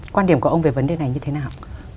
quan điểm của ông về vấn đề này như thế nào